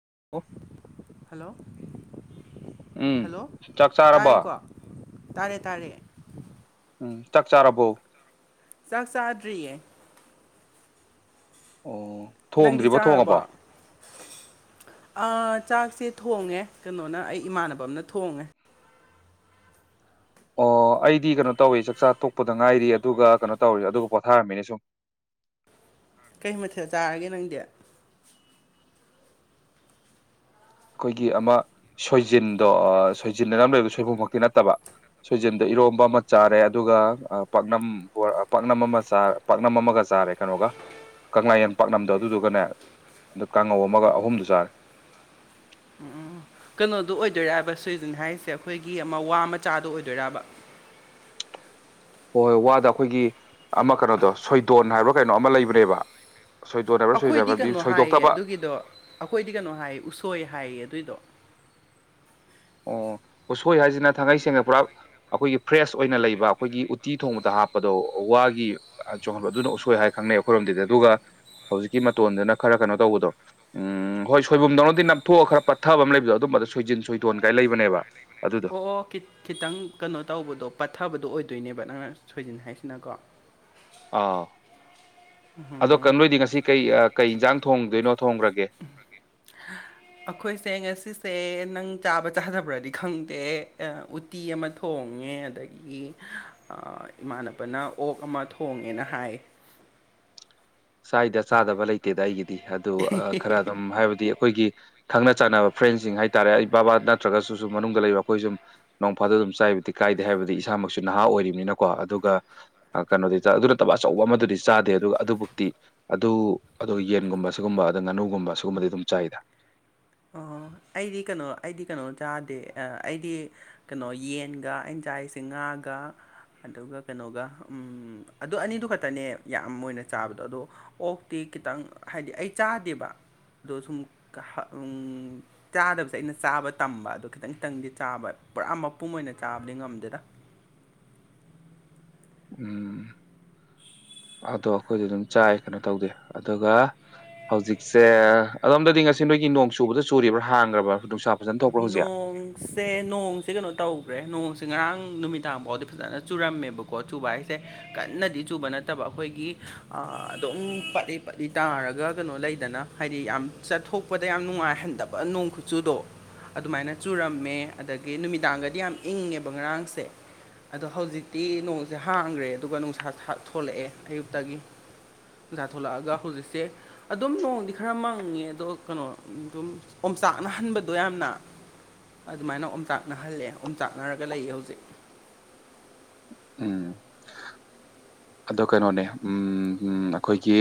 [unintelligible] Hello ꯎꯝ hello ꯆꯥꯛ ꯆꯥꯔꯕꯣ ꯇꯥꯏꯀꯣ ꯇꯥꯔꯦ ꯇꯥꯔꯦ ꯎꯝ ꯆꯥꯛ ꯆꯥꯔꯕꯣ ꯆꯥꯛ ꯆꯥꯗ꯭ꯔꯤꯌꯦ ꯑꯣ ꯅꯪꯗꯤ ꯊꯣꯡꯗ꯭ꯔꯤꯕꯣ ꯆꯥꯔꯕꯣ ꯊꯣꯡꯉꯕꯣ ꯑꯥ ꯆꯥꯛꯁꯦ ꯊꯣꯡꯉꯦ ꯀꯩꯅꯣꯅ ꯑꯩ ꯏꯃꯥꯟꯅꯕ ꯑꯃꯅ ꯊꯣꯡꯉꯦ ꯑꯣ ꯑꯩꯗꯤ ꯀꯩꯅꯣ ꯇꯧꯋꯦ ꯆꯥꯛꯆꯥ ꯇꯣꯛꯄꯗ ꯉꯥꯏꯔꯤ ꯑꯗꯨꯒ ꯀꯩꯅꯣ ꯇꯧꯔꯤ ꯑꯗꯨꯒ ꯄꯣꯊꯥꯔꯝꯃꯤꯅꯦ ꯁꯨꯝ ꯀꯩ ꯃꯊꯦꯜ ꯆꯥꯔꯒꯦ ꯅꯪꯗꯤ ꯑꯩꯈꯣꯏꯒꯤ ꯑꯃ ꯁꯣꯏꯖꯤꯟꯗꯣ ꯑꯥ ꯁꯣꯏꯖꯤꯟꯑꯅ ꯑꯃ ꯂꯩꯕꯗꯨ ꯁꯣꯏꯕꯨꯝꯃꯛꯇꯤ ꯅꯠꯇꯕ ꯁꯣꯏꯖꯤꯟꯗꯣ ꯏꯔꯣꯝꯕ ꯑꯃ ꯆꯥꯔꯦ ꯑꯗꯨꯒ ꯑꯥ ꯄꯥꯛꯅꯝ ꯕꯣ ꯄꯥꯛꯅꯝ ꯑꯃ ꯆꯥ ꯄꯥꯛꯅꯝ ꯑꯃꯒ ꯆꯥꯔꯦ ꯀꯩꯅꯣꯒ ꯀꯪꯂꯥꯌꯦꯟ ꯄꯥꯛꯅꯝꯗꯣ ꯑꯗꯨꯗꯨꯒꯅꯦ ꯑꯗꯣ ꯀꯥꯡꯉꯧ ꯑꯃꯒ ꯑꯍꯨꯝꯗꯣ ꯆꯥꯔꯦ ꯀꯩꯅꯣꯗꯣ ꯑꯣꯏꯗꯣꯏꯔꯕ ꯁꯣꯏꯖꯤꯟ ꯍꯥꯏꯔꯤꯁꯦ ꯑꯩꯈꯣꯏꯒꯤ ꯑꯃ ꯋꯥ ꯃꯆꯥꯗꯣ ꯑꯣꯏꯗꯣꯏꯔꯕ ꯍꯣꯏ ꯋꯥꯗ ꯑꯩꯈꯣꯏꯒꯤ ꯑꯃ ꯀꯩꯅꯣꯗꯣ ꯁꯣꯏꯗꯣꯟ ꯍꯥꯏꯕ꯭ꯔꯥ ꯀꯩꯅꯣ ꯑꯃ ꯂꯩꯕꯅꯦꯕ ꯁꯣꯏꯗꯣꯟ ꯍꯥꯏꯕ꯭ꯔꯥ ꯁꯣꯏꯗꯣꯟ ꯑꯩꯈꯣꯏꯗꯤ ꯍꯥꯏꯕꯗꯤ ꯀꯩꯅꯣ ꯍꯥꯏꯌꯦ ꯁꯣꯏꯗꯣꯛꯇꯕ ꯑꯗꯨꯒꯤꯗꯣ ꯑꯩꯈꯣꯏꯗꯤ ꯀꯩꯅꯣ ꯍꯥꯏꯌꯦ ꯎꯁꯣꯏ ꯍꯥꯏꯌꯦ ꯑꯗꯨꯏꯗꯣ ꯑꯣ ꯎꯁꯣꯏ ꯍꯥꯏꯁꯤꯅ ꯊꯥꯡꯉꯩ ꯁꯦꯡꯅ ꯄꯨꯔꯥ ꯑꯩꯈꯣꯏꯒꯤ ꯐ꯭ꯔꯦꯁ ꯑꯣꯏꯅ ꯂꯩꯕ ꯑꯩꯈꯣꯏꯒꯤ ꯎꯇꯤ ꯊꯣꯡꯕꯗ ꯍꯥꯞ ꯄꯗꯣ ꯋꯥꯒꯤ ꯆꯣꯡꯍꯟꯕ ꯑꯗꯨꯅ ꯎꯁꯣꯏ ꯍꯥꯏ ꯈꯪꯅꯩ ꯑꯩꯈꯣꯏꯔꯣꯝꯗꯗꯤ ꯑꯗꯨꯒ ꯍꯧꯖꯤꯛꯀꯤ ꯃꯇꯣꯟꯗꯨꯅ ꯈꯔ ꯀꯩꯅꯣ ꯇꯧꯕꯗꯣ ꯎꯝ ꯍꯣꯏ ꯁꯣꯏꯕꯨꯝꯗꯧꯅꯗꯤ ꯅꯝꯊꯣꯛꯑꯒ ꯈꯔ ꯄꯠꯊꯕ ꯑꯃ ꯂꯩꯕꯗꯣ ꯑꯗꯨꯝꯕꯗꯣ ꯁꯣꯏꯖꯤꯟ ꯁꯣꯏꯗꯣꯟ ꯀꯥꯏ ꯂꯩꯕꯅꯦꯕ ꯑꯗꯨꯗꯣ ꯑꯣ ꯑꯣ ꯀꯤꯠ ꯈꯤꯇꯪ ꯀꯩꯅꯣ ꯇꯧꯕꯗꯣ ꯄꯠꯊꯕꯗꯣ ꯑꯣꯏꯗꯣꯏꯅꯦꯕ ꯅꯪꯅ ꯁꯣꯏꯖꯤꯟ ꯍꯥꯏꯁꯤꯅꯀꯣ ꯑꯥ [unintelligible] ꯑꯗꯣ ꯀ ꯅꯣꯏꯗꯤ ꯉꯁꯤ ꯀꯩ ꯑꯥ ꯀꯩ ꯏꯟꯖꯥꯡ ꯊꯣꯡꯗꯣꯏꯅꯣ ꯊꯣꯡꯒ꯭ꯔꯒꯦ ꯎꯝ ꯍꯥ ꯑꯈꯣꯏꯁꯦ ꯉꯁꯤꯁꯦ ꯅꯪ ꯆꯥꯕ꯭ꯔꯥ ꯆꯥꯗꯕ꯭ꯔꯥꯗꯤ ꯈꯪꯗꯦ ꯑꯥ ꯎꯠ ꯇꯤ ꯑꯃ ꯊꯣꯡꯉꯦ ꯑꯗꯒꯤ ꯑꯥ ꯏꯃꯥꯟꯅꯕꯅ ꯑꯣꯛ ꯑꯃ ꯊꯣꯡꯉꯦꯅ ꯍꯥꯏ ꯆꯥꯏꯗꯥ ꯆꯥꯗꯕ ꯂꯩꯇꯦꯗꯥ ꯑꯩꯒꯤꯗꯤ ꯑꯗꯨ ꯑꯥ ꯈꯔ ꯑꯗꯨꯝ ꯍꯥꯏꯕꯗꯤ ꯈꯣꯏꯒꯤ ꯈꯪꯅ ꯆꯥꯟꯅꯕ ꯐ꯭ꯔꯦꯟꯁꯤꯡ ꯍꯥꯏꯇꯥꯔꯦ ꯑꯩ ꯕꯥ ꯕꯥ ꯅꯠꯇ꯭ꯔꯒ ꯁꯨ ꯁꯨ ꯃꯅꯨꯡꯗ ꯂꯩꯕ ꯑꯩꯈꯣꯏ ꯁꯨꯝ ꯅꯣꯡꯐꯥꯗꯣ ꯗꯨꯝ ꯆꯥꯏꯕꯨꯗꯤ ꯀꯥꯏꯗꯦ ꯍꯥꯏꯕꯗꯤ ꯏꯁꯥꯃꯛꯁꯨ ꯅꯍꯥ ꯑꯣꯏꯔꯤꯝꯅꯤꯅꯀꯣ ꯑꯗꯨꯒ ꯑꯥ ꯀꯅꯣꯗꯤ ꯆꯥ ꯑꯗꯨ ꯅꯠꯇꯕ ꯑꯆꯧꯕ ꯑꯃꯥꯗꯨꯗꯤ ꯆꯥꯗꯦ ꯑꯗꯨꯒ ꯑꯗꯨꯕꯨꯛꯇꯤ ꯑꯗꯨ ꯑꯗꯣ ꯌꯦꯟꯒꯨꯝꯕ ꯁꯨꯒꯨꯝꯕ ꯑꯗ ꯉꯥꯅꯨꯒꯨꯝꯕ ꯁꯨꯒꯨꯝꯕꯗꯤ ꯑꯗꯨꯝ ꯆꯥꯏꯌꯦꯗꯥ ꯑꯣ ꯑꯩꯗꯤ ꯀꯩꯅꯣ ꯑꯩꯗꯤ ꯀꯩꯅꯣ ꯆꯥꯗꯦ ꯑꯥ ꯑꯩꯗꯤ ꯀꯩꯅꯣ ꯌꯦꯟꯒ ꯑꯩꯟ ꯆꯥꯏꯁꯦ ꯉꯥꯒ ꯑꯗꯨꯒ ꯀꯩꯅꯣꯒ ꯎꯝ ꯑꯗꯨ ꯑꯅꯤꯗꯨ ꯈꯛꯇꯅꯦ ꯌꯥꯝ ꯑꯣꯏꯅ ꯆꯥꯕꯗꯣ ꯑꯗꯣ ꯑꯣꯛꯇꯤ ꯈꯤꯇꯪ ꯍꯥꯏꯗꯤ ꯑꯩ ꯆꯥꯗꯦꯕꯥ ꯑꯗꯣ ꯁꯨꯝ ꯀꯥ ꯍꯥ ꯎꯝ ꯆꯥꯗꯕꯁꯦ ꯑꯩꯅ ꯆꯥꯕ ꯇꯝꯕ ꯑꯗꯣ ꯈꯤꯇꯪ ꯈꯤꯇꯪꯗꯤ ꯆꯥꯕ ꯄꯨꯔꯥ ꯃꯄꯨꯝ ꯑꯣꯏꯅ ꯆꯥꯕꯗꯤ ꯉꯝꯗꯦꯗꯥ ꯎꯝ ꯑꯗꯣ ꯑꯈꯣꯏꯗꯤ ꯑꯗꯨꯝ ꯆꯥꯏ ꯀꯩꯅꯣ ꯇꯧꯗꯦ ꯑꯗꯨꯒ ꯍꯧꯖꯤꯛꯆꯦ ꯑꯗꯣꯝꯗꯗꯤ ꯉꯁꯤ ꯅꯣꯏꯒꯤ ꯅꯣꯡ ꯆꯨꯕꯗꯣ ꯆꯨꯔꯤꯕ꯭ꯔꯥꯥ ꯍꯥꯡꯒ꯭ꯔꯕ ꯅꯨꯡꯁꯥꯞ ꯅꯣꯡ ꯆꯦ ꯅꯣꯡꯁꯦ ꯀꯩꯅꯣ ꯇꯧꯒ꯭ꯔꯦ ꯅꯣꯡꯁꯦ ꯉꯔꯥꯡ ꯅꯨꯃꯤꯗꯥꯡ ꯕꯥꯎꯗꯤ ꯐꯖꯅ ꯆꯨꯔꯝꯃꯦꯕ ꯀꯣ ꯆꯨꯕ ꯍꯥꯏꯁꯦ ꯀꯟꯅꯗꯤ ꯆꯨꯕ ꯅꯠꯇꯕ ꯑꯈꯣꯏꯒꯤ ꯑꯥ ꯑꯗꯨꯝ ꯄꯠꯏ ꯄꯠꯂꯤ ꯇꯥꯔꯒ ꯀꯩꯅꯣ ꯂꯩꯗꯅ ꯍꯥꯏꯗꯤ ꯌꯥꯝ ꯆꯠꯊꯣꯛꯄꯗ ꯌꯥꯝ ꯅꯨꯡꯉꯥꯏꯍꯟꯗꯕ ꯅꯣꯡ ꯈꯨꯆꯨꯗꯣ ꯑꯗꯨꯃꯥꯏꯅ ꯆꯨꯔꯝꯃꯦ ꯑꯗꯒꯤ ꯅꯨꯃꯤꯗꯥꯡꯒꯗꯤ ꯌꯥꯝ ꯏꯪꯉꯦꯕ ꯉꯔꯥꯡꯁꯦ ꯑꯗꯣ ꯍꯧꯖꯤꯛꯇꯤ ꯅꯣꯡꯁꯦ ꯍꯥꯡꯒ꯭ꯔꯦ ꯑꯗꯨꯒ ꯅꯣꯡꯁꯥ ꯁꯥ ꯊꯣꯂꯛꯑꯦ ꯑꯌꯨꯛꯇꯒꯤ ꯇꯨꯅ ꯊꯣꯂꯛꯑꯒ ꯍꯧꯖꯤꯛꯁꯦ ꯑꯗꯨꯝ ꯅꯣꯡꯗꯤ ꯈꯔ ꯃꯪꯉꯦ ꯑꯗꯣ ꯀꯅꯣ ꯑꯗꯨꯝ ꯑꯣꯝꯆꯥꯛꯅꯍꯟꯕ ꯗꯣ ꯌꯥꯝꯅ ꯑꯗꯨꯃꯥꯏꯅ ꯑꯣꯝꯆꯥꯛꯅꯍꯜꯂꯦ ꯑꯣꯝꯆꯥꯛꯅꯔꯒ ꯂꯩꯌꯦ ꯍꯧꯖꯤꯛ ꯎꯝ ꯑꯗꯣ ꯀꯩꯅꯣꯅꯦ ꯎꯝ ꯎꯝ ꯑꯩꯈꯣꯏꯒꯤ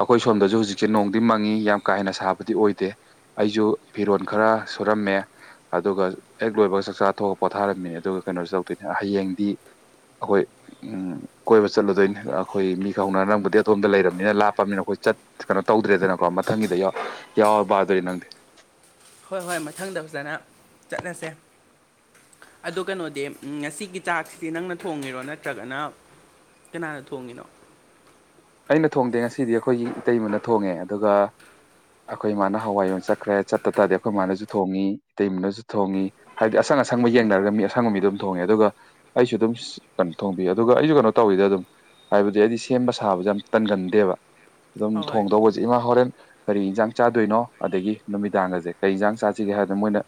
ꯑꯈꯣꯏ ꯁꯣꯝꯗꯖꯨ ꯍꯧꯖꯤꯛꯁꯦ ꯅꯣꯡꯗꯤ ꯃꯪꯉꯤ ꯌꯥꯝ ꯀꯥ ꯍꯦꯟꯅ ꯁꯥꯕꯗꯤ ꯑꯣꯏꯗꯦ ꯑꯩꯖꯨ ꯐꯤꯔꯣꯟ ꯈꯔ ꯁꯨꯔꯝꯃꯦ ꯑꯗꯨꯒ ꯍꯦꯛ ꯂꯣꯏꯕꯒ ꯆꯥꯛꯆꯥ ꯊꯣꯛꯑ ꯄꯣꯊꯥꯔꯝꯃꯤꯅꯦ ꯑꯗꯨꯒ ꯀꯩꯅꯣꯖꯨ ꯇꯧꯗꯣꯏꯅꯦ ꯍꯌꯦꯡꯗꯤ ꯑꯍꯣꯏ ꯎꯝ ꯀꯣꯏꯕ ꯆꯠꯂꯨꯗꯣꯏꯅꯤ ꯑꯩꯈꯣꯏ ꯃꯤ ꯈ ꯍꯧꯅ ꯅꯪꯕꯨꯗꯤ ꯑꯗꯣꯝꯗ ꯂꯩꯔꯝꯅꯤꯅ ꯂꯥꯞꯄꯝꯅꯤꯅ ꯑꯈꯣꯏ ꯆꯠ ꯀꯅꯣ ꯇꯧꯗ꯭ꯔꯦꯗꯅꯀꯣ ꯃꯊꯪꯒꯤꯗ ꯌꯥꯎ ꯌꯥꯎꯕꯥ ꯗꯨꯅꯤ ꯅꯪꯗꯤ ꯍꯣꯏ ꯍꯣꯏ ꯃꯊꯪꯗ ꯐꯖꯅ ꯆꯠꯂꯁꯦ ꯑꯗꯣ ꯀꯩꯅꯣꯗꯤ ꯎꯝ ꯉꯁꯤꯒꯤ ꯆꯥꯛꯇꯤ ꯅꯪꯅ ꯊꯣꯡꯉꯤꯔꯣ ꯅꯠꯇ꯭ꯔꯒꯅ ꯀꯅꯥꯅ ꯊꯣꯡꯉꯤꯅꯣ ꯑꯩꯅ ꯊꯣꯡꯗꯦ ꯉꯁꯤꯗꯤ ꯑꯩꯈꯣꯏꯒꯤ ꯏꯇꯩꯃꯥꯅ ꯊꯣꯡꯉꯦ ꯑꯗꯨꯒ ꯑꯈꯣꯏ ꯃꯥꯅ ꯍꯋꯥꯏ ꯌꯣꯟ ꯆꯠꯈ꯭ꯔꯦ ꯆꯠꯇ ꯇꯥꯗꯤ ꯑꯩꯈꯣꯏ ꯃꯥꯅꯁꯨ ꯊꯣꯡꯉꯤ ꯏꯇꯩꯃꯅꯁꯨ ꯊꯣꯡꯉꯤ ꯍꯥꯏꯗꯤ ꯑꯁꯪ ꯑꯁꯪꯕ ꯌꯦꯡꯅꯔꯒ ꯃꯤ ꯑꯁꯪꯕ ꯃꯤꯗꯨꯝ ꯊꯣꯡꯉꯦ ꯑꯗꯨꯒ ꯑꯩꯁꯨ ꯑꯗꯨꯝ ꯁ ꯀꯟ ꯊꯣꯡꯕꯤ ꯑꯗꯨꯒ ꯑꯩꯖꯨ ꯀꯩꯅꯣ ꯇꯧꯋꯤꯗ ꯑꯗꯨꯝ ꯍꯥꯏꯕꯗꯤ ꯑꯩꯗꯤ ꯁꯦꯝꯕ ꯁ ꯁꯥꯕꯖꯦ ꯌꯥꯝ ꯇꯟꯒꯟꯗꯦꯕ ꯑꯗꯨꯝ ꯑꯍꯣꯏ ꯊꯣꯡꯗꯧꯕ ꯇꯤ ꯏꯃꯥ ꯍꯣꯔꯦꯟ ꯀꯔꯤ ꯏꯟꯖꯥꯡ ꯆꯥꯗꯣꯏꯅꯣ ꯑꯗꯒꯤ ꯅꯨꯃꯤꯗꯥꯡꯒꯖꯦ ꯀꯔꯤ ꯏꯟꯖꯥꯡ ꯆꯥꯖꯤꯒꯦ ꯍꯥꯏꯗ ꯃꯣꯏꯅ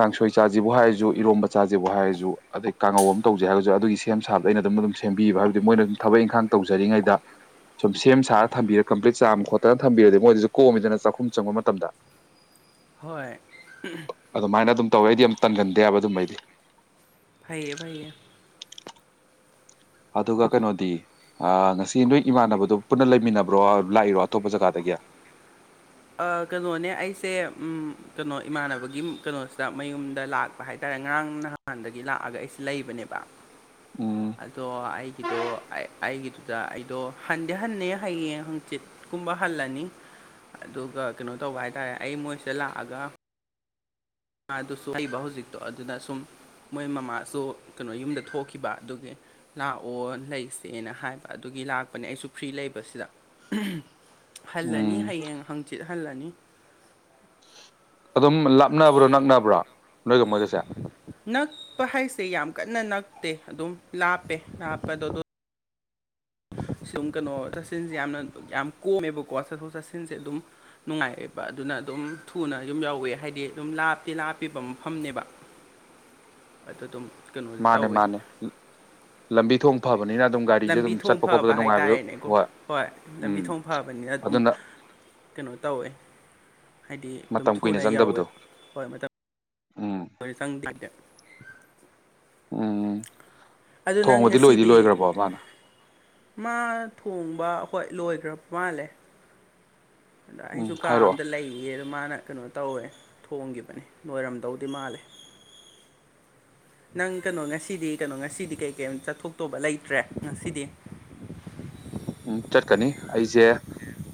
ꯀꯥꯡꯁꯣꯏ ꯆꯥꯖꯤꯕꯨ ꯍꯥꯏꯔꯖꯨ ꯏꯔꯣꯝꯕ ꯆꯥꯖꯤꯕꯨ ꯍꯥꯏꯔꯖꯨ ꯑꯗꯩ ꯀꯥꯡꯉꯧ ꯑꯝ ꯇꯧꯖꯦ ꯍꯥꯏꯕꯖꯨ ꯑꯗꯨꯒꯤ ꯁꯦꯝ ꯁꯥꯕꯗꯣ ꯑꯩꯅ ꯑꯗꯨꯝ ꯃꯗꯨꯝ ꯁꯦꯝꯕꯤꯕ ꯍꯥꯏꯕꯗꯤ ꯃꯣꯏꯅ ꯑꯗꯨꯝ ꯊꯕꯛ ꯏꯪꯈꯥꯡ ꯇꯧꯖꯔꯤꯉꯩꯗ ꯁꯨꯝ ꯁꯦꯝ ꯁꯥꯔ ꯊꯝꯕꯤꯔ ꯀꯝꯄ꯭ꯂꯤꯠ ꯆꯥꯝ ꯈꯣꯠꯇꯅ ꯊꯝꯕꯤꯔꯗꯤ ꯃꯣꯏꯗꯖꯨ ꯀꯣꯝꯃꯤꯗꯅ ꯆꯥꯛꯈꯨꯝ ꯆꯪꯕ ꯃꯇꯝꯗ [inaudible] ꯍꯣꯏ ꯑꯗꯣꯃꯥꯏꯅ ꯑꯗꯨꯝ ꯇꯧꯋꯦ ꯑꯩꯗꯤ ꯌꯥꯝ ꯇꯟꯒꯟꯗꯦ ꯍꯥꯏꯕ ꯑꯗꯨꯝꯕꯩꯗꯤ ꯐꯩꯌꯦ ꯐꯩꯌꯦ ꯑꯗꯨꯒ ꯀꯩꯅꯣꯗꯤ ꯑꯥ ꯉꯁꯤ ꯅꯣꯏ ꯏꯃꯥꯟꯅꯕꯗꯣ ꯄꯨꯟꯅ ꯂꯩꯃꯤꯟꯅꯕ꯭ꯔꯣ ꯂꯥꯏꯔꯣ ꯑꯇꯣꯞꯄ ꯖꯒꯥꯗꯒꯤ ꯑꯥ ꯀꯩꯅꯣꯅꯦ ꯑꯩꯁꯦ ꯎꯝ ꯀꯩꯅꯣ ꯏꯃꯥꯟꯅꯕꯒꯤ ꯀꯩꯅꯣꯁꯤꯗ ꯃꯌꯨꯝꯗ ꯂꯥꯛ ꯄꯥ ꯍꯥꯏꯇꯥꯔꯦ ꯉꯔꯥꯡ ꯅꯍꯥꯟꯗꯒꯤ ꯂꯥꯑꯥꯒ ꯑꯩꯁꯦ ꯂꯩꯕꯅꯦꯕ ꯎꯝ ꯑꯗꯣ ꯑꯩꯒꯤꯗꯣ ꯑꯩ ꯑꯩꯒꯤꯗꯨꯗ ꯑꯩꯗꯣ ꯍꯟꯗꯤ ꯍꯟꯅꯤ ꯍꯌꯦꯡ ꯍꯪꯆꯤꯠ ꯀꯨꯝꯕ ꯍꯜꯂꯅꯤ ꯑꯗꯨꯒ ꯀꯩꯅꯣ ꯇꯧꯕ ꯍꯥꯏꯇꯥꯔꯦ ꯑꯩ ꯃꯣꯏꯁꯤꯗ ꯂꯥꯛꯑꯒ ꯃꯥꯗꯨꯁꯨ ꯍꯩꯕ ꯍꯨꯖꯤꯛꯇꯣ ꯑꯗꯨꯅ ꯁꯨꯝ ꯃꯣꯏ ꯃꯃꯥꯁꯨ ꯀꯩꯅꯣ ꯌꯨꯝꯗ ꯊꯣꯛꯈꯤꯕ ꯑꯗꯨꯒꯤ ꯂꯥꯑꯣ ꯂꯩꯁꯦꯅ ꯍꯥꯏꯕ ꯑꯗꯨꯒꯤ ꯂꯥꯛꯄꯅꯦ ꯑꯩꯁꯨ ꯐ꯭ꯔꯤ ꯂꯩꯕꯁꯤꯗ ꯍꯜꯂꯅꯤ ꯎꯝ ꯍꯌꯦꯡ ꯍꯪꯆꯤꯠ ꯍꯜꯂꯅꯤ ꯑꯗꯨꯝ ꯂꯥꯞꯅꯕ꯭ꯔꯣ ꯅꯛꯅꯕ꯭ꯔꯣ ꯅꯣꯏꯒ ꯃꯣꯏꯒꯁꯦ ꯅꯛꯄ ꯍꯥꯏꯁꯦ ꯌꯥꯝ ꯀꯟꯅ ꯅꯛꯇꯦ ꯑꯗꯨꯝ ꯂꯥꯞꯄꯦ ꯂꯥꯞꯄꯗꯣ ꯗꯣ ꯁꯨꯝ ꯀꯩꯅꯣ ꯆꯠꯁꯤꯟꯖꯦ ꯌꯥꯝꯅ ꯌꯥꯝ ꯀꯣꯝꯃꯦꯕꯀꯣ ꯆꯠꯊꯣꯛ ꯆꯠꯁꯤꯟꯁꯦ ꯑꯗꯨꯝ ꯅꯨꯉꯥꯏꯑꯦꯕ ꯑꯗꯨꯅ ꯑꯗꯨꯝ ꯊꯨꯅ ꯌꯨꯝ ꯌꯧꯋꯦ ꯍꯥꯏꯗꯤ ꯑꯗꯨꯝ ꯂꯥꯞꯇꯤ ꯂꯥꯞꯄꯤꯕ ꯃꯐꯝꯅꯦꯕ [inaudible] ꯑꯗꯨꯗꯨꯝ ꯃꯥꯅꯦ ꯃꯥꯅꯦ ꯂꯝꯕꯤ ꯊꯣꯡ ꯐꯕꯅꯤꯅ ꯑꯗꯨꯝ ꯒꯥꯔꯤꯖꯦ ꯂꯝꯕꯤ ꯑꯗꯨꯝ ꯆꯠ ꯊꯣꯡ ꯐꯕ ꯍꯥꯏꯇꯥꯔꯦꯅꯦꯀꯣ ꯍꯣꯏ ꯂꯝꯕꯤ ꯎꯝ ꯊꯣꯡ ꯐꯕꯅꯤꯅ ꯑꯗꯨꯝ ꯑꯗꯨꯅ ꯀꯩꯅꯣ ꯇꯧꯋꯦ ꯍꯥꯏꯗꯤ ꯑꯗꯨꯝ ꯃꯇꯝ ꯊꯨꯅ ꯌꯧꯋꯦ ꯍꯣꯏ ꯃꯇꯝ ꯑꯣ [unintelligible] ꯎꯝ ꯑꯗꯨ ꯅꯪ ꯊꯣꯡꯕꯗꯤ ꯂꯣꯏꯗꯤ ꯉꯁꯤꯗꯤ ꯂꯣꯏꯈ꯭ꯔꯕꯣ ꯃꯥꯅ ꯃꯥ ꯊꯣꯡꯕ ꯍꯣꯏ ꯂꯣꯏꯈ꯭ꯔꯞ ꯃꯥꯜꯂꯦ ꯑꯗ ꯎꯝ ꯑꯩꯁꯨ ꯀꯥ ꯍꯥꯏꯔꯛꯑꯣ ꯑꯝꯗ ꯂꯩꯌꯦ ꯑꯗꯣ ꯃꯥꯅ ꯀꯩꯅꯣ ꯇꯧꯌꯦ ꯊꯣꯡꯒꯤꯕꯅꯦ ꯂꯣꯏꯔꯝꯗꯧꯗꯤ ꯃꯥꯜꯂꯦ ꯅꯪ ꯀꯩꯅꯣ ꯉꯁꯤꯗꯤ ꯀꯩꯅꯣ ꯉꯁꯤꯗꯤ ꯀꯩ ꯀꯩꯝ ꯆꯠꯊꯣꯛꯇꯧꯕ ꯂꯩꯇ꯭ꯔꯦ ꯉꯁꯤꯗꯤ ꯎꯝ ꯆꯠꯀꯅꯤ ꯑꯩꯖꯦ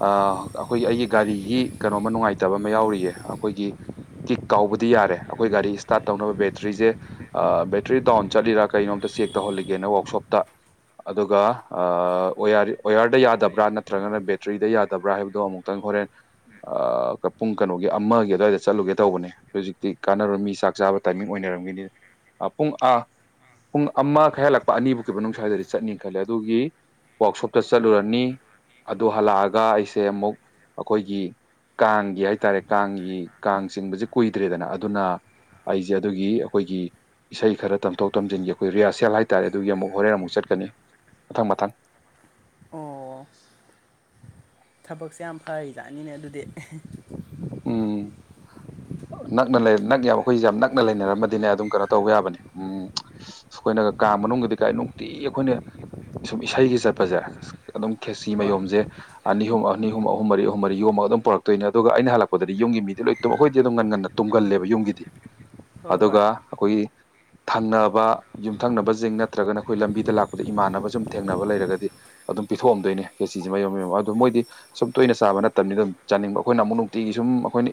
ꯑꯥ ꯑꯈꯣꯏꯒꯤ ꯑꯩꯒꯤ ꯒꯥꯔꯤꯒꯤ ꯀꯩꯅꯣꯝꯃꯥ ꯅꯨꯉꯥꯏꯇꯕ ꯑꯃ ꯌꯥꯎꯔꯤꯌꯦ ꯑꯈꯣꯏꯒꯤ ꯀꯤꯛ ꯀꯥꯎꯕꯗꯤ ꯌꯥꯔꯦ ꯑꯈꯣꯏ ꯒꯥꯔꯤ ꯏꯁꯇꯥꯠ ꯇꯧꯅꯕ ꯕꯦꯇ꯭ꯔꯤꯖꯦ ꯑꯥ ꯕꯦꯇ꯭ꯔꯤ ꯗꯥꯎꯟ ꯆꯠꯂꯤꯔꯥ ꯀꯩꯅꯣ ꯑꯝꯇ ꯆꯦꯛ ꯇꯧꯍꯜꯂꯤꯒꯦꯅ ꯋꯥꯛꯁꯣꯞꯇ ꯑꯗꯨꯒ ꯑꯥ ꯑꯣꯏꯌꯥꯔꯤ ꯑꯣꯏꯌꯥꯔꯗ ꯌꯥꯗꯕ꯭ꯔꯥ ꯅꯠꯇ꯭ꯔꯒꯅ ꯕꯦꯇ꯭ꯔꯤꯗ ꯌꯥꯗꯕ꯭ꯔꯥ ꯍꯥꯏꯕꯗꯣ ꯑꯃꯨꯛꯇꯪ ꯍꯣꯔꯦꯟ ꯑꯥ ꯀꯄꯨꯡ ꯀꯅꯣꯒꯤ ꯑꯃꯥꯒꯤ ꯑꯗ꯭ꯋꯥꯏꯗ ꯆꯠꯂꯨꯒꯦ ꯇꯧꯕꯅꯦ ꯍꯨꯖꯤꯛꯇꯤ ꯀꯥꯟꯅꯔꯣꯏ ꯃꯤ ꯆꯥꯛ ꯆꯥꯕ ꯇꯥꯏꯃꯤꯡ ꯑꯣꯏꯅꯔꯝꯒꯤꯅꯤ ꯑꯥ ꯄꯨꯡ ꯑꯥ ꯄꯨꯡ ꯑꯃꯥ ꯈꯥ ꯍꯦꯜꯂꯛꯄ ꯑꯅꯤꯕꯧꯀꯤ ꯃꯅꯨꯡ ꯁ꯭ꯋꯥꯏꯗꯗꯤ ꯆꯠꯅꯤ ꯈꯜꯂꯦ ꯑꯗꯨꯒꯤ ꯋꯥꯛꯁꯣꯞ ꯇ ꯆꯠꯂꯨꯔꯅꯤ ꯑꯗꯨ ꯍꯜꯂꯑꯒ ꯑꯩꯁꯦ ꯃꯨꯛ ꯑꯈꯣꯏꯒꯤ ꯀꯥꯡ ꯒꯤ ꯍꯥꯏꯇꯥꯔꯦ ꯀꯥꯡꯒꯤ ꯀꯥꯡ ꯆꯤꯡꯕꯖꯦ ꯀꯨꯏꯗ꯭ꯔꯦꯗꯅ ꯑꯗꯨꯅ ꯑꯩꯖꯦ ꯑꯗꯨꯒꯤ ꯑꯈꯣꯏꯒꯤ ꯏꯁꯩ ꯈꯔ ꯇꯝꯊꯣꯛ ꯇꯝꯖꯤꯟꯒꯤ ꯑꯈꯣꯏ ꯔꯤꯌꯥꯁꯦꯜ ꯍꯥꯏꯇꯥꯔꯦ ꯑꯗꯨꯒꯤ ꯑꯃꯨꯛ ꯍꯣꯔꯦꯟ ꯑꯃꯨꯛ ꯆꯠꯀꯅꯤ ꯃꯊꯪ ꯃꯊꯪ ꯑꯣ ꯊꯕꯛꯁꯦ ꯌꯥꯝ ꯐꯔꯤꯖꯥꯠꯅꯤꯅꯦ ꯑꯗꯨꯗꯤ ꯎꯝ ꯅꯛꯅ [unintelligible] ꯅꯛꯌꯥꯕ ꯑꯩꯈꯣꯏꯖꯦ ꯌꯥꯝ ꯅꯛꯅ ꯂꯩꯅꯔꯝꯃꯗꯤꯅꯦ ꯑꯗꯨꯝ ꯀꯩꯅꯣ ꯇꯧꯕ ꯌꯥꯕꯅꯤ ꯎꯝ ꯑꯩꯈꯣꯏꯅꯒ ꯀꯥꯡ ꯃꯅꯨꯡꯒꯗꯤ ꯀꯥꯏ ꯅꯨꯡꯇꯤ ꯑꯩꯈꯣꯏꯅ ꯁꯨꯝ ꯏꯁꯩꯒ ꯆꯠꯄꯖꯦ ꯑꯗꯨꯝ ꯈꯦꯁꯤ ꯍꯣꯏ ꯃꯌꯣꯝꯖꯦ ꯑꯅꯤ ꯍꯨꯝ ꯑꯅꯤ ꯍꯨꯝ ꯑꯍꯨꯝ ꯃꯔꯤ ꯑꯍꯨꯝ ꯃꯔꯤ ꯌꯣꯝꯃꯒ ꯑꯗꯨꯝ ꯄꯨꯔꯛꯇꯣꯏꯅꯦ ꯑꯗꯨꯒ ꯑꯩꯅ ꯍꯜꯂꯛ ꯄꯗꯥꯗꯤ ꯌꯨꯝꯒꯤ ꯃꯤꯗꯤ ꯂꯣꯏ ꯇꯨ ꯑꯩꯈꯣꯏꯗꯤ ꯑꯗꯨꯝ ꯉꯟ ꯉꯟꯅ ꯇꯨꯝꯒꯜꯂꯦꯕ ꯌꯨꯝꯒꯤꯗꯤ ꯍꯣꯏ ꯍꯣꯏ ꯑꯗꯨꯒ ꯑꯩꯈꯣꯏꯒꯤ ꯊꯪꯅꯕ ꯌꯨꯝꯊꯪꯅꯕꯖꯤꯡ ꯅꯠꯇ꯭ꯔꯒꯅ ꯑꯩꯈꯣꯏ ꯂꯝꯕꯤꯗ ꯂꯥꯛꯄꯗ ꯏꯃꯥꯟꯅꯕ ꯁꯨꯝ ꯊꯦꯡꯅꯕ ꯂꯩꯔꯒꯗꯤ ꯑꯗꯨꯝ ꯄꯤꯊꯣꯛꯑꯝꯗꯣꯏꯅꯦ ꯈꯦꯆꯤꯖꯦ ꯃꯌꯣꯝ ꯃꯌꯣꯝ ꯑꯗꯨ ꯃꯣꯏꯗꯤ ꯁꯨꯝ ꯇꯣꯏꯅ ꯆꯥꯕ ꯅꯠꯇꯝꯅꯤꯅ ꯑꯗꯨꯝ ꯆꯥꯅꯤꯡꯕ ꯑꯩꯈꯣꯏꯅ ꯑꯃꯨꯛ ꯅꯨꯛ ꯇꯤꯒꯤ ꯁꯨꯝ ꯑꯩꯈꯣꯏꯅꯤ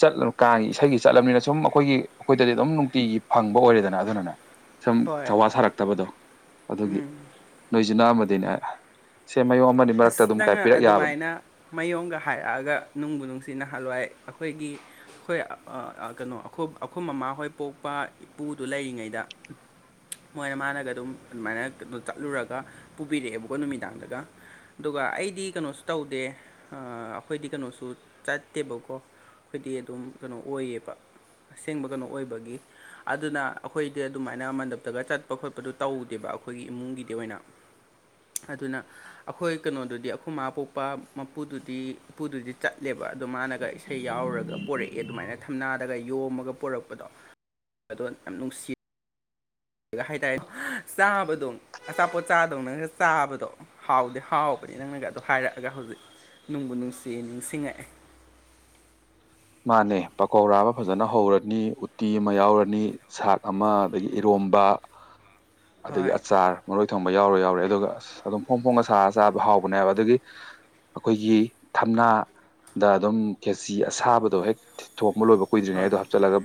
ꯆꯠꯂ ꯀꯥꯡꯒꯤ ꯏꯁꯩꯒꯤ ꯆꯠꯂꯝꯅꯤꯅ ꯁꯨꯝ ꯑꯩꯈꯣꯏꯒꯤ ꯑꯩꯈꯣꯏꯗꯗꯤ ꯑꯗꯨꯝ ꯅꯨꯡꯇꯤꯒꯤ ꯐꯪꯕ ꯑꯣꯏꯔꯦꯗꯅ ꯑꯗꯨꯅꯅꯦ ꯁꯨꯝ ꯍꯣꯏ ꯊꯋꯥ ꯁꯥꯔꯛꯇꯕꯗꯣ ꯑꯗꯨꯒꯤ ꯎꯝ ꯅꯣꯏꯖꯨ ꯅꯛꯑꯝꯃꯗꯤꯅꯦ ꯁꯦ ꯃꯌꯣꯝ ꯑꯃꯥꯅꯤ ꯃꯔꯛꯇ ꯑꯁ ꯑꯗꯨꯝ ꯀꯥꯏ ꯅꯪꯅ ꯄꯤꯔꯛ ꯌꯥꯕꯅꯤ ꯑꯗꯨꯃꯥꯏꯅ ꯃꯌꯣꯝꯒ ꯍꯥꯏꯔꯛꯑꯒ ꯅꯨꯡꯕꯨ ꯅꯨꯡꯁꯤ ꯅꯍꯥꯜꯋꯥꯏ ꯑꯩꯈꯣꯏꯒꯤ ꯈꯣꯏ ꯑꯥ ꯑꯥ ꯀꯩꯅꯣ ꯑꯈꯣ ꯑꯩꯈꯣꯏ ꯃꯥꯃꯥ ꯍꯣꯏ ꯄꯣꯛꯄ ꯏꯄꯨꯗꯨ ꯂꯩꯔꯤꯉꯩꯗ ꯃꯣꯏ ꯃꯥꯅꯒ ꯑꯗꯨꯝ ꯑꯗꯨꯃꯥꯏꯅ ꯀꯩꯅꯣ ꯀꯠꯂꯨꯔꯒ ꯄꯨꯕꯤꯔꯛꯑꯦꯕꯀꯣ ꯅꯨꯃꯤꯗꯥꯡꯗꯒ ꯑꯗꯨꯒ ꯑꯩꯗꯤ ꯀꯩꯅꯣꯁꯨ ꯇꯧꯗꯦ ꯑꯥ ꯑꯩꯈꯣꯏꯗꯤ ꯀꯩꯅꯣꯁꯨ ꯆꯠꯇꯦꯕꯀꯣ ꯈꯣꯏꯗꯤ ꯑꯗꯨꯝ ꯀꯩꯅꯣ ꯑꯣꯏꯌꯦꯕ ꯑꯁꯦꯡꯕ ꯀꯩꯅꯣ ꯑꯣꯏꯕꯒꯤ ꯑꯗꯨꯅ ꯑꯩꯈꯣꯏꯗꯤ ꯑꯗꯨꯃꯥꯏꯅ ꯃꯟꯗꯞꯇꯒ ꯆꯠꯄ ꯈꯣꯠꯄꯗꯣ ꯇꯧꯗꯦꯕ ꯑꯩꯈꯣꯏꯒꯤ ꯏꯃꯨꯡꯒꯤꯗꯤ ꯑꯣꯏꯅ ꯑꯗꯨꯅ ꯑꯩꯈꯣꯏ ꯀꯩꯅꯣꯗꯨꯗꯤ ꯑꯩꯈꯣꯏ ꯃꯥ ꯄꯣꯛꯄ ꯃꯄꯨꯗꯨꯗꯤ ꯏꯄꯨꯗꯨꯗꯤ ꯆꯠꯂꯦꯕ ꯑꯗꯣ ꯃꯥꯅꯒ ꯏꯁꯩ ꯌꯥꯎꯔꯒ ꯄꯣꯔꯛꯑꯦ ꯑꯗꯨꯃꯥꯏꯅ ꯊꯝꯅꯥꯗꯒ ꯌꯣꯝꯃꯒ ꯄꯣꯔꯛꯄꯗꯣ ꯑꯗꯣ ꯌꯥꯝ ꯅꯨꯡꯁꯤ ꯑꯗꯨꯒ ꯍꯥꯏꯇꯥꯔꯦ ꯆꯥꯕꯗꯧ ꯑꯆꯥꯄꯣꯠ ꯆꯥꯗꯧꯅꯒ ꯆꯥꯕꯗꯣ ꯍꯥꯎꯗꯤ ꯍꯥꯎꯕꯅꯤ ꯅꯪꯅꯒ ꯑꯗꯣ ꯍꯥꯏꯔꯛꯑꯒ ꯍꯧꯖꯤꯛ ꯅꯨꯡꯕꯨ ꯅꯨꯡꯁꯤ ꯅꯤꯡꯁꯤꯡꯉꯛꯑꯦ ꯃꯥꯅꯦ ꯄꯀꯧꯔꯥ ꯑꯃ ꯐꯖꯅ ꯍꯧꯔꯅꯤ ꯎꯇꯤ ꯑꯃ ꯌꯥꯎꯔꯅꯤ ꯁꯥꯥꯛ ꯑꯃ ꯑꯗꯒꯤ ꯏꯔꯣꯝꯕ ꯑꯗꯒꯤ ꯍꯣꯏ ꯑꯆꯥꯔ ꯃꯔꯣꯏ ꯊꯣꯡꯕ ꯌꯥꯎꯔ ꯌꯥꯎꯔꯦ ꯑꯗꯨꯒ ꯑꯁ ꯑꯗꯨꯝ ꯐꯣꯡ ꯐꯣꯡꯒ ꯁꯥꯥꯔꯒ ꯆꯥꯕ ꯍꯥꯎꯕꯅꯦꯕ ꯑꯗꯨꯒꯤ ꯑꯩꯈꯣꯏꯒꯤ ꯊꯝꯅꯥ ꯗ ꯑꯗꯨꯝ ꯈꯦꯆꯤ ꯑꯁꯥꯕꯗꯣ ꯍꯦꯛ ꯊꯣꯛꯃ ꯂꯣꯏꯕ ꯍꯣꯏ ꯀꯨꯏ꯭ꯗꯔꯤꯉꯩꯗꯣ ꯍꯥꯞꯆꯤꯜꯂꯒ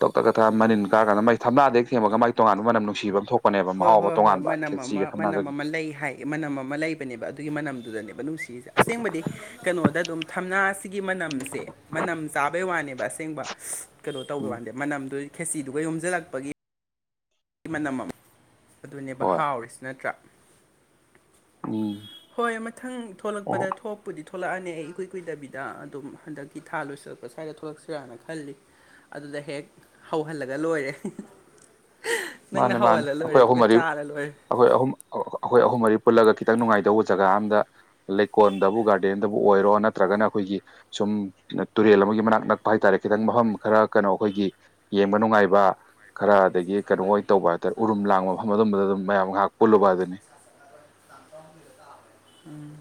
ꯇꯛ ꯇꯛ [unintelligible] ꯃꯅꯤꯟ ꯀꯥꯔꯀꯥꯟꯗ ꯃꯥꯏ ꯊꯝꯅꯥꯗ ꯊꯦꯡꯕꯒ ꯃꯥꯏ ꯇꯣꯉꯥꯟꯕ ꯃꯅꯝ ꯅꯨꯡꯁꯤꯕ ꯑꯃ ꯊꯣꯛ ꯍꯣꯏ ꯍꯣꯏ ꯍꯣꯏ ꯃꯅꯝ ꯑꯃ ꯃꯅꯝ ꯑꯃ ꯂꯩ ꯍꯥꯏ ꯃꯅꯝ ꯑꯃ ꯂꯩꯕꯅꯦꯕ ꯑꯗꯨꯒꯤ ꯃꯅꯝꯗꯨꯗꯅꯦꯕ ꯅꯨꯡꯁꯤꯁꯦ ꯑꯁꯦꯡꯕꯗꯤ ꯀꯩꯅꯣꯗ ꯑꯗꯨꯝ ꯊꯝꯅꯥꯁꯤꯒꯤ ꯃꯅꯝꯁꯦ ꯃꯅꯝ ꯆꯥꯕꯩ ꯋꯥꯅꯦꯕ ꯑꯁꯦꯡꯕ ꯀꯩꯅꯣ ꯇꯧꯕ ꯎꯝ ꯋꯥꯥꯟꯗꯦ ꯃꯅꯝꯗꯨ ꯈꯦꯁꯤꯗꯨꯒ ꯌꯣꯝꯁꯤꯜꯂꯛꯄꯒꯤ ꯃꯅꯝ ꯑꯗꯨꯅꯦꯕ ꯍꯣꯏ ꯍꯥꯎꯔꯤꯁꯤ ꯅꯠꯇ꯭ꯔꯥ ꯎꯝ ꯍꯣꯏ ꯃꯊꯪ ꯑꯣ ꯊꯣꯛꯂꯛꯄꯗ ꯊꯣꯛ ꯄꯨꯗꯤ ꯊꯣꯛꯂꯛꯑꯅꯤ ꯑꯩ ꯏꯀꯨꯏ ꯀꯨꯏꯗꯕꯤꯗ ꯑꯗꯨꯝ ꯍꯟꯗꯛꯀꯤ ꯊꯥ ꯂꯣꯏꯁꯤꯜꯂꯛꯄ ꯁ꯭ꯋꯥꯏꯗ ꯊꯣꯛꯂꯛꯁꯤꯔꯥꯅ ꯈꯜꯂꯤ ꯑꯗꯨꯗ ꯍꯦꯛ ꯍꯧꯍꯜꯂꯒ ꯂꯣꯏꯔꯦ ꯅꯪꯅ ꯃꯥꯅꯦ ꯃꯥꯅꯦ ꯍꯧꯍꯜꯂ ꯂꯣꯏꯔꯦ ꯑꯩꯈꯣꯏ ꯑꯍꯨꯝ ꯑꯗꯨꯒ ꯃꯔꯤ ꯆꯥꯔ ꯂꯣꯏꯔꯦ ꯑꯩꯈꯣꯏ ꯑꯍꯨꯝ ꯑꯩꯈꯣꯏ ꯑꯍꯨꯝ ꯃꯔꯤ ꯄꯨꯜꯂꯒ ꯈꯤꯇꯪ ꯅꯨꯡꯉꯥꯏꯗꯧꯕ ꯖꯒꯥ ꯑꯝꯗ ꯂꯩꯀꯣꯜꯗꯕꯨ ꯒꯥꯔꯗꯦꯟꯗꯕꯨ ꯑꯣꯏꯔꯣ ꯅꯠꯇ꯭ꯔꯒꯅ ꯑꯩꯈꯣꯏꯒꯤ ꯁꯨꯝ ꯇꯨꯔꯦꯜ ꯑꯃꯒꯤ ꯃꯅꯥꯛ ꯅꯛꯄ ꯍꯥꯏꯇꯥꯔꯦ ꯈꯤꯇꯪ ꯃꯐꯝ ꯈꯔ ꯀꯩꯅꯣ ꯑꯩꯈꯣꯏꯒꯤ ꯌꯦꯡꯕ ꯅꯨꯡꯉꯥꯏꯕ ꯈꯔ ꯑꯗꯒꯤ ꯀꯩꯅꯣ ꯑꯣꯏ ꯇꯧꯕ ꯍꯥꯏꯇꯥꯔꯦ ꯎꯔꯨꯝ ꯂꯥꯡꯕ ꯃꯐꯝ ꯑꯗꯨꯝꯕꯗ ꯑꯗꯨꯝ ꯃꯌꯥꯝ ꯉꯥꯏꯍꯥꯛ ꯄꯨꯜꯂꯨꯕ ꯍꯥꯏꯗꯨꯅꯤ ꯎꯝ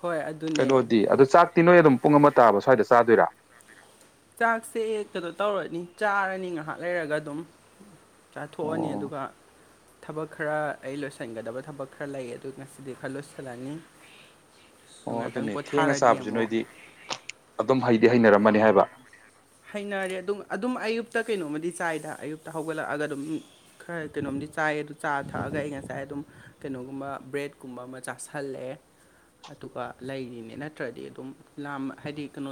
ꯍꯣꯏ [inaudible] ꯀꯩꯅꯣꯗꯤ ꯑꯗꯣ ꯆꯥꯛꯇꯤ ꯅꯣꯏ ꯑꯗꯨꯝ ꯄꯨꯡ ꯑꯃ ꯇꯥꯕ ꯁ꯭ꯋꯥꯏꯗ ꯆꯥꯗꯣꯏꯔꯥ ꯆꯥꯛꯁꯦ ꯇꯨꯗ ꯇꯧꯔꯅꯤ ꯆꯥꯔꯅꯤ ꯉꯥꯏꯍꯥꯛ ꯂꯩꯔꯒ ꯑꯗꯨꯝ꯫ ꯆꯥꯊꯣꯛꯑꯅꯤ ꯑꯣ ꯑꯗꯨꯒ ꯊꯕꯛ ꯈꯔ ꯑꯩ ꯂꯣꯏꯁꯤꯟꯒꯗꯕ ꯊꯕꯛ ꯈꯔ ꯂꯩ ꯑꯗꯨ ꯉꯁꯤꯗꯤ ꯈꯔ ꯂꯣꯏꯁꯤꯜꯂꯅꯤ꯫ ꯑꯁ ꯑꯣ ꯉꯥꯛꯇꯪ ꯑꯗꯨꯅꯦ ꯊꯦꯡꯅ ꯄꯣꯊꯥꯔꯅꯤ ꯆꯥꯕꯁꯨ ꯑꯃꯨꯛ꯫ ꯅꯣꯏꯗꯤ ꯑꯗꯨꯝ ꯍꯩꯗꯤ ꯍꯩꯅꯔꯝꯃꯅꯤ ꯍꯥꯏꯕ꯫ ꯍꯩꯅꯔꯦ ꯑꯗꯨꯝ ꯑꯗꯨꯝ ꯑꯌꯨꯛꯇ ꯀꯩꯅꯣꯝꯃꯗꯤ ꯆꯥꯏꯗ ꯑꯌꯨꯛꯇ ꯍꯧꯒꯠꯂꯛꯑꯒ ꯑꯗꯨꯝ ꯈꯔ ꯀꯩꯅꯣꯝꯗꯤ ꯆꯥꯏ ꯑꯗꯨ ꯆꯥ ꯊꯛꯑꯒ ꯑꯩ ꯉꯁꯥꯏ ꯑꯗꯨꯝ ꯀꯩꯅꯣꯒꯨꯝꯕ ꯕ꯭ꯔꯦꯗꯀꯨꯝꯕ ꯑꯃ ꯆꯥꯥꯁꯜꯂꯦ꯫ ꯑꯗꯨꯒ ꯂꯩꯔꯤꯅꯦ ꯅꯠꯇ꯭ꯔꯗꯤ ꯑꯗꯨꯝꯝ ꯂꯥꯝꯕ ꯍꯥꯏꯗꯤ ꯀꯩꯅꯣ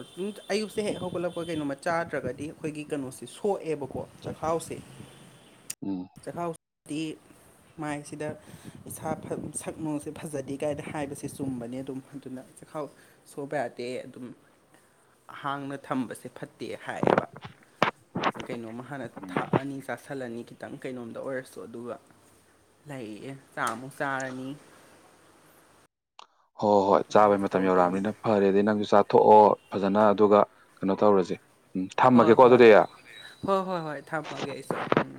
ꯑꯌꯨꯛꯁꯦ ꯍꯦꯛ ꯍꯧꯒꯠꯂꯛꯄ ꯀꯩꯅꯣ ꯃ ꯆꯥꯗ꯭ꯔꯒꯗꯤ ꯑꯩꯈꯣꯏꯒꯤ ꯀꯩꯅꯣꯁꯦ ꯁꯣꯛꯑꯦꯕꯀꯣ ꯆꯥꯛꯈꯥꯎꯁꯦ꯫ ꯎꯝ꯫ ꯆꯈꯥꯎ ꯗꯤ ꯃꯥꯏꯁꯤꯗ ꯏꯁꯥ ꯐ ꯁꯛꯅꯨꯡꯁꯦ ꯐꯖꯗꯦ ꯀꯥꯏꯅ ꯍꯥꯏꯕꯁꯦ ꯆꯨꯝꯕꯅꯤ ꯑꯗꯨꯝ ꯑꯗꯨꯅ ꯆꯈꯥꯎ ꯁꯣꯏꯕ ꯌꯥꯗꯦ ꯑꯗꯨꯝ ꯑꯍꯥꯡꯅ ꯊꯝꯕꯁꯦ ꯐ ꯗꯦ ꯍꯥꯏꯌꯦꯕ꯫ ꯑ ꯀꯩꯅꯣꯝꯃ ꯍꯥꯟꯅ ꯊꯥꯛꯑꯅꯤ ꯆꯥꯁꯜꯂꯅꯤ ꯈꯤꯇꯪ ꯀꯩꯅꯣꯝꯗ ꯑꯣꯏꯔꯁꯨ ꯑꯗꯨꯒ ꯂꯩꯌꯦ ꯆꯥꯛ ꯑꯃꯨꯛ ꯆꯥꯔꯅꯤ꯫ ꯍꯣꯏ ꯍꯣꯏ ꯍꯣꯏ ꯆꯥꯕꯩ ꯑꯗꯨꯗꯤ ꯃꯇꯝ ꯇꯧꯗꯣꯏꯅꯤ ꯌꯧꯔꯛꯑꯕꯅꯤꯅ꯫ ꯐꯔꯦꯗꯤ ꯅꯪꯁꯨ ꯆꯥꯊꯣꯛꯑꯣ ꯐꯖꯅ ꯑꯗꯨꯒ ꯀꯩꯅꯣ ꯇꯧꯔꯁꯦ꯫ ꯎꯝ ꯍꯣꯏ ꯊꯝꯃꯒꯦꯀꯣ ꯍꯣꯏ ꯑꯗꯨꯗꯤ ꯍꯣꯏ ꯍꯣꯏ ꯍꯣꯏ ꯊꯝꯃꯒꯦ ꯑꯩꯁꯨ ꯎꯝ꯫